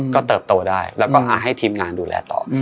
ก็เติบโตได้แล้วก็ให้ทีมงานดูแลต่อ